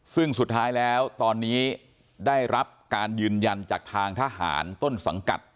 ซึ่งสุดท้ายแล้วตอนนี้ได้รับการยืนยันจากทางทหารต้นสังกัด